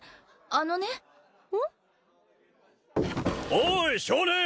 おーい少年！